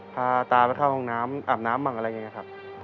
พาตาไปเข้าห้องน้ำอาบน้ำบ้างอะไรอย่างนี้ครับ